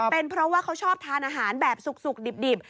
เป็นเพราะว่าเขาชอบทานอาหารแบบสุกดิบ